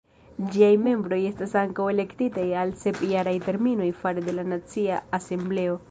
Ĝiaj membroj estas ankaŭ elektitaj al sep-jaraj terminoj fare de la Nacia Asembleo.